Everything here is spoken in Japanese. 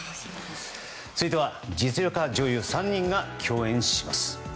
続いては、実力派女優３人が共演します。